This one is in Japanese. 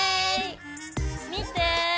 見て！